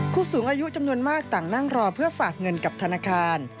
ผู้สูงอายุจำนวนมากต่างนั่งรอเพื่อฝากเงินกับธนาคาร